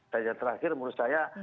dan yang terakhir menurut saya